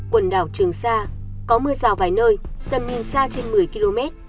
quần đảo trường sa có mưa rào vài nơi tầm nhìn xa trên một mươi km